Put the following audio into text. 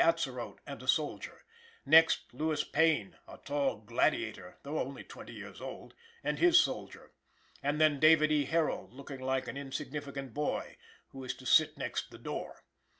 Atzerodt and a soldier; next, Lewis Payne, a tall gladiator, though only twenty years old, and his soldier; and then David E. Herold, looking like an insignificant boy, who is to sit next the door.